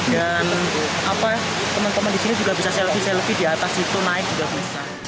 dan teman teman disini juga bisa selfie selfie di atas itu naik juga bisa